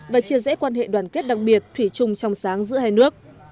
và chia rẽ quan hệ đoàn kết đặc biệt thủy chung trong sáng giữa hai nước